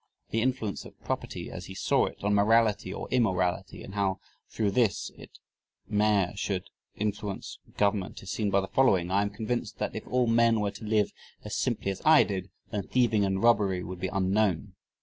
The influence of property, as he saw it, on morality or immorality and how through this it mayor should influence "government" is seen by the following: "I am convinced that if all men were to live as simply as I did, then thieving and robbery would be unknown.